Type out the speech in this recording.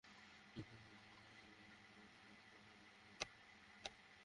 আহত অবস্থায় গ্রেপ্তার হওয়া হামলাকারী যুবক এখনো ঢাকা মেডিকেল কলেজ হাসপাতালে চিকিৎসাধীন রয়েছেন।